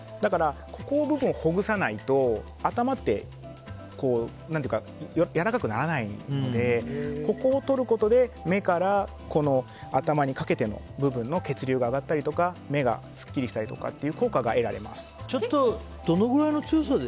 ここの部分をほぐさないと頭ってやわらかくならないのでここをとることで目から頭にかけての部分の血流が上がったりとか目がすっきりしたりとかっていうどのぐらいの強さで。